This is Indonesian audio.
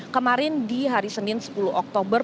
kemarin di hari senin sepuluh oktober